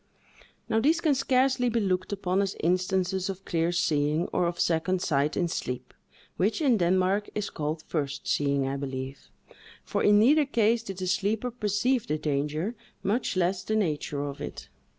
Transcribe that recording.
Now these can scarcely be looked upon as instances of clear seeing, or of second sight in sleep, which, in Denmark, is called first seeing, I believe; for in neither case did the sleeper perceive the danger, much less the nature of it.